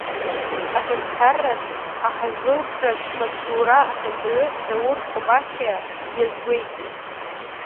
Аҳәынҭқарратә аҳазылхратә Маҵзура ахантәаҩы Даур Кобахьиа иазгәеиҭеит…